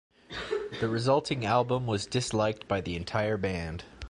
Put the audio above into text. The resulting album was disliked by the entire band.